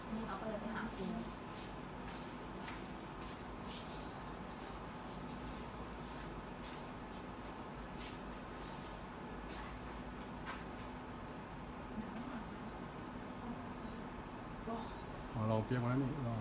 อ๋อเราเตรียมกันแล้วนี่แล้วก็เขาเล่ามันได้ออกแล้วก่อนมันวิ่ง